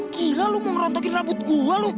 gila lu mau merontokin rambut gue lu